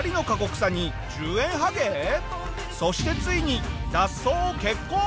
そしてついに脱走を決行！